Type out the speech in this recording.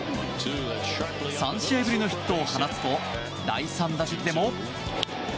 ３試合ぶりのヒットを放つと第３打席でも。